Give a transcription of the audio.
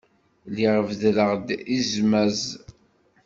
Lliɣ beddreɣ-d izmaz.